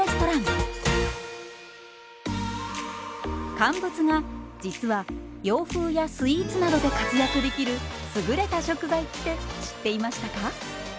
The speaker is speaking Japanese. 乾物が実は洋風やスイーツなどで活躍できる優れた食材って知っていましたか？